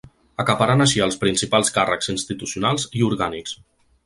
Acaparant així els principals càrrecs institucionals i orgànics.